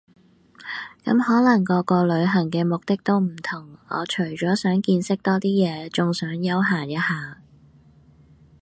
咁可能個個旅行嘅目的都唔同我除咗想見識多啲嘢，仲想休閒一下